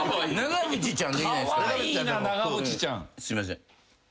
すいません。